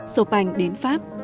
chopin đến pháp